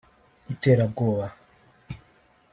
iterabwoba